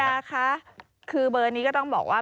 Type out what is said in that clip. ยาคะคือเบอร์นี้ก็ต้องบอกว่า